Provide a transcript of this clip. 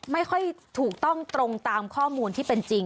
ไม่ค่อยถูกต้องตรงตามข้อมูลที่เป็นจริง